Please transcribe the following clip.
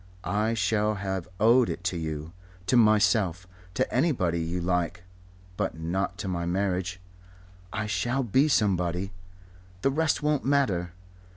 I shall have owed it to you, to myself, to anybody you like but not to my marriage. I shall be somebody. The rest won't matter.